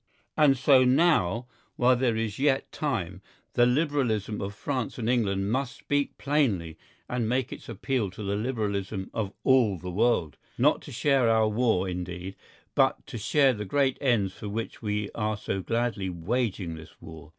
And so now, while there is yet time, the Liberalism of France and England must speak plainly and make its appeal to the Liberalism of all the world, not to share our war indeed, but to share the great ends for which we are so gladly waging this war.